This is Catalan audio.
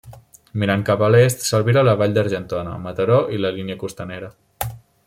Mirant cap a l'est, s'albira la vall d'Argentona, Mataró i la línia costanera.